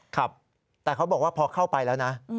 ครับแต่เขาบอกว่าพอเข้าไปแล้วนะ